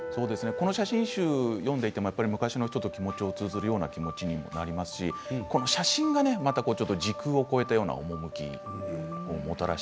この写真集を読んでいても昔の人の気持ちに通じるような気持ちにもなりますし写真がまた時空を超えたような趣なんですよね。